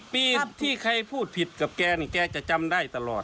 ปีที่ใครพูดผิดกับแกนี่แกจะจำได้ตลอด